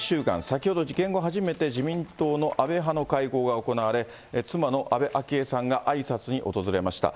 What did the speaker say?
先ほど、事件後初めて自民党の安倍派の会合が行われ、妻の安倍昭恵さんがあいさつに訪れました。